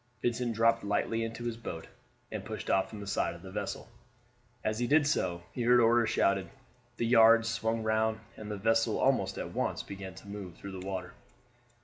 Vincent dropped lightly into his boat; and pushed off from the side of the vessel. As he did so he heard orders shouted, the yards swung round, and the vessel almost at once began to move through the water.